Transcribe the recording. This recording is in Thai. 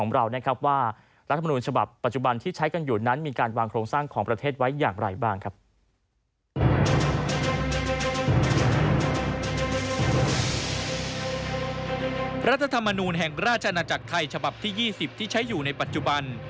รัฐธรรมนูลแห่งราชนาจักรไทยฉบับที่๒๐ที่ใช้อยู่ในปัจจุบัน